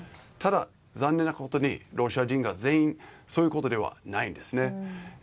ただ、残念なことにロシア人が全員そういうことではないんですね。